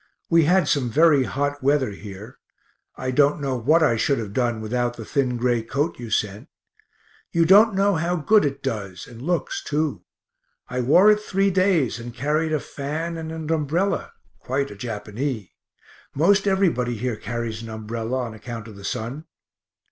We had some very hot weather here I don't know what I should have done without the thin grey coat you sent you don't know how good it does, and looks too; I wore it three days, and carried a fan and an umbrella (quite a Japanee) most everybody here carries an umbrella, on account of the sun.